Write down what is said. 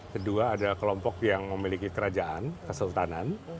kedua ada kelompok yang memiliki kerajaan kesultanan